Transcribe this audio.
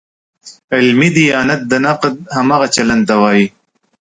علمي دیانت د نقد همغه چلن ته وایي.